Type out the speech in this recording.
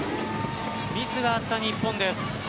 ミスがあった日本です。